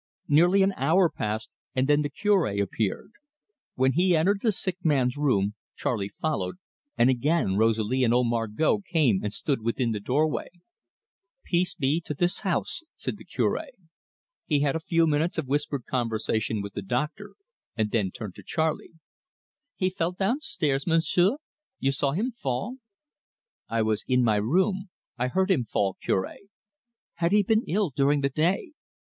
Nearly an hour passed, and then the Cure appeared. When he entered the sick man's room, Charley followed, and again Rosalie and old Margot came and stood within the doorway. "Peace be to this house!" said the Cure. He had a few minutes of whispered conversation with the doctor, and then turned to Charley. "He fell down stairs, Monsieur? You saw him fall?" "I was in my room I heard him fall, Cure." "Had he been ill during the day?"